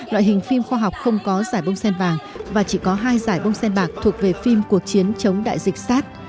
loại hình phim khoa học không có giải bông sen vàng và chỉ có hai giải bông sen bạc thuộc về phim cuộc chiến chống đại dịch sars